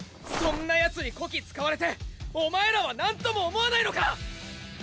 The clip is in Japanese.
そんなヤツにこき使われてお前らはなんとも思わないのか！？